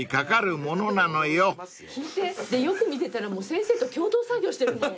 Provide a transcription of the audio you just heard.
よく見てたら先生と共同作業してるもん。